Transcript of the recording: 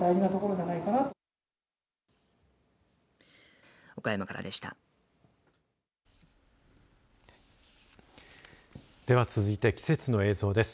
では、続いて、季節の映像です。